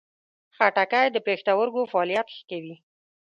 خټکی د پښتورګو فعالیت ښه کوي.